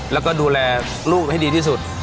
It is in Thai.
แล้วก็ดูแลลูกให้ดีที่สุด